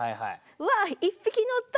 「うわ１匹乗った！